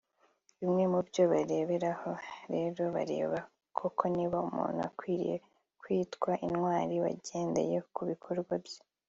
Bimwe mu byo bareberaho rero bareba koko niba umuntu akwiriye kwitwa intwari bagendeye ku bikorwa bye